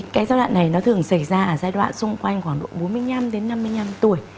cái giai đoạn này nó thường xảy ra ở giai đoạn xung quanh khoảng độ bốn mươi năm đến năm mươi năm tuổi